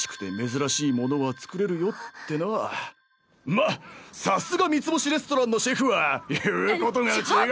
まっさすが三ツ星レストランのシェフは言うことが違う。